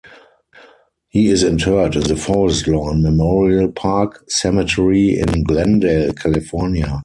He is interred in the Forest Lawn Memorial Park Cemetery in Glendale, California.